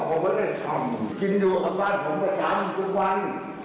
ผมไม่ได้ทำกินอยู่กับบ้านผมประจำทุกวัน